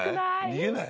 逃げない？